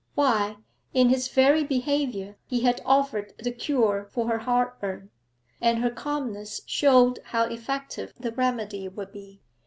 Why, in his very behaviour he had offered the cure for her heartburn; and her calmness showed how effective the remedy would be.